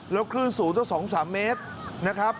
แล้วคลื่นสูงตั้ง๒๓เมตรนะครับ